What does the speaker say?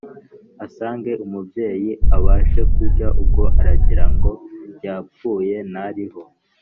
asange umubyeyi abashe kurya, ubwo aragira ngo yapfuye ntariho.’